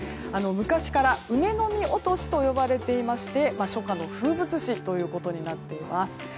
昔から、梅の実落としと呼ばれていまして初夏の風物詩となっています。